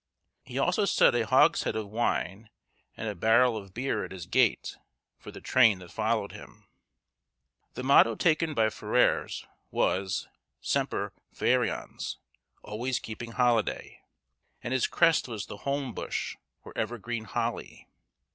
He also set a hogshead of wine and a barrel of beer at his gate, for the train that followed him. The motto taken by Ferrers was, semper ferians (always keeping holiday), and his crest was the holm bush, or evergreen holly.